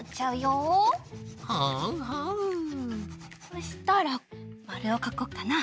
そしたらまるをかこっかな。